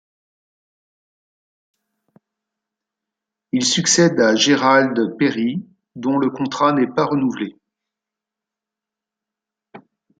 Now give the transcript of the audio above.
Il succède à Gerald Perry, dont le contrat n'est pas renouvelé.